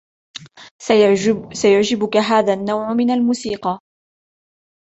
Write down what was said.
سيعجبك هذا النوع من الموسيقى.